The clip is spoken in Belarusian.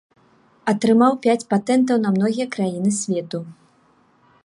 Атрымаў пяць патэнтаў на многія краіны свету.